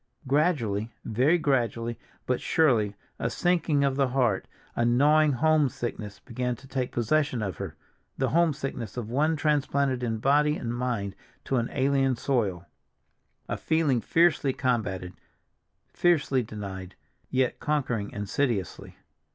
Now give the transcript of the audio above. Gradually, very gradually, but surely, a sinking of the heart, a gnawing homesickness began to take possession of her—the homesickness of one transplanted in body and mind to an alien soil; a feeling fiercely combated, fiercely denied, yet conquering insidiously.